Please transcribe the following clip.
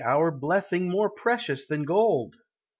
Our blessing more precious than gold!